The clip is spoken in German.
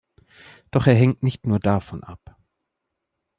Doch er hängt nicht nur davon ab.